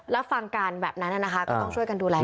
และฟังกันแบบนั้นก็ต้องช่วยกันดูแลด้วย